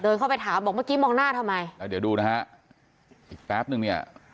เข้าไปถามบอกเมื่อกี้มองหน้าทำไมแล้วเดี๋ยวดูนะฮะอีกแป๊บนึงเนี่ย